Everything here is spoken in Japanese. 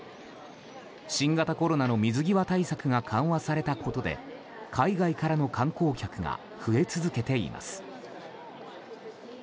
新型コロナの水際対策が緩和されたことで海外からの観光客が増え続けています。